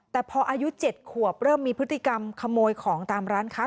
แต่พออายุ๗ขวบเริ่มมีพฤติกรรมขโมยของตามร้านค้า